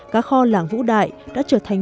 cá kho làng vũ đại đã trở thành